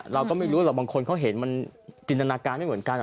เราก็ไม่รู้หรอกบางคนเขาเห็นมันจินตนาการไม่เหมือนกัน